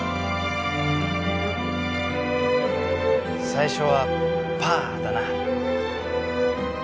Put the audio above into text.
最初はパーだな。